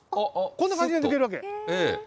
こんな感じで抜けるわけ。